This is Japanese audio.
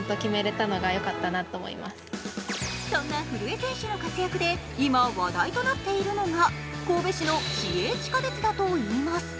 そんな古江選手の活躍で今話題となっているのが神戸市の市営地下鉄だといいます。